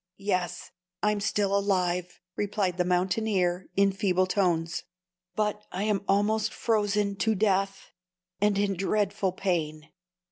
"Yes, I'm still alive," replied the mountaineer, in feeble tones; "but I am almost frozen to death, and in dreadful pain.